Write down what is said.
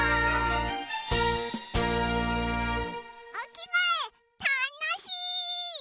おきがえたのしい！